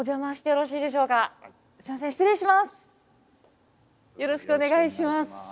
よろしくお願いします。